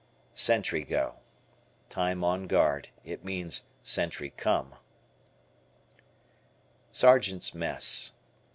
Sentry Go. Time on guard. It means "sentry come." Sergeant's Mess.